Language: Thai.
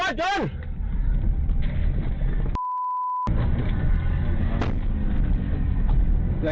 แม่ง